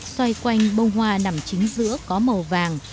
xoay quanh bông hoa nằm chính giữa có màu vàng